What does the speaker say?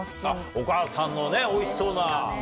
お母さんのねおいしそうな。